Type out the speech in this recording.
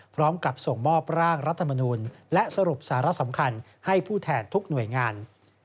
พร้อมกับส่งมอบร่างรัฐมนูลและสรุปสาระสำคัญให้ผู้แทนทุกหน่วยงาน